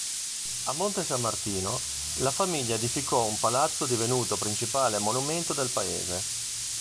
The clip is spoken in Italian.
A Monte San Martino, la famiglia edificò un palazzo divenuto principale monumento del paese.